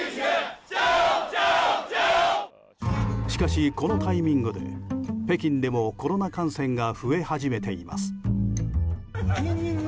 しかしこのタイミングで北京でもコロナ感染が増え始めています。